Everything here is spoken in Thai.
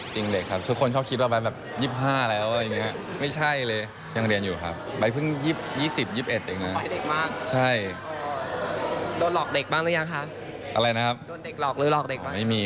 จริงเด็กครับทุกคนชอบคิดว่าแบบ๒๕แล้วอะไรอย่างนี้